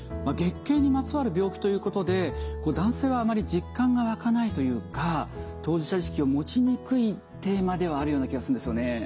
月経にまつわる病気ということで男性はあまり実感がわかないというか当事者意識を持ちにくいテーマではあるような気がするんですよね。